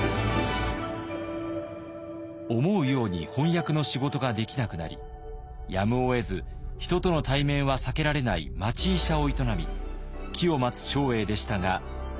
思うように翻訳の仕事ができなくなりやむをえず人との対面は避けられない町医者を営み機を待つ長英でしたが。